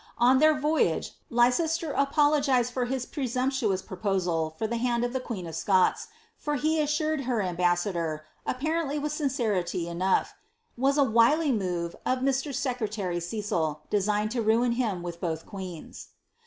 On their Toyaae. Leicester apologised for his presumptuous proposal for the hand of the queen of Scots, which he assured her ambassador, apparently with sincerity enougii, *' was a wily move of Mr. Secretary Cecil, de signed to ruin him with both queens."'